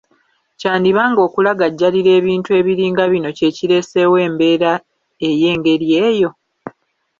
Kyandiba nga okulagajjalira ebintu ebiringa bino kye kireeseewo embeera ey'engeri eyo?